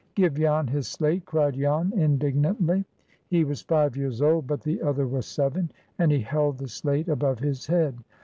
"Give Jan his slate!" cried Jan, indignantly. He was five years old, but the other was seven, and he held the slate above his head.